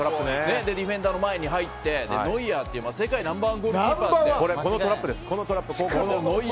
ディフェンダーの前に入ってノイアーっていう世界ナンバー１のゴールキーパー。